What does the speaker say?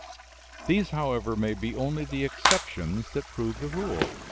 These, however, may be only the exceptions that prove the rule.